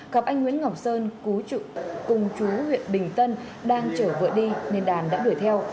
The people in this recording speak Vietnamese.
gặp anh nguyễn ngọc sơn cùng chú huyện bình tân đang chở vợ đi nên đàn đã đuổi theo